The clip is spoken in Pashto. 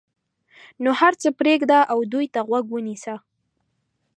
نو هر څه پرېږده او دوی ته غوږ ونیسه.